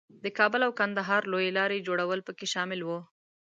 د کابل او کندهار لویې لارې جوړول پکې شامل وو.